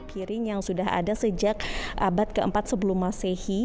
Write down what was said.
piring yang sudah ada sejak abad keempat sebelum masehi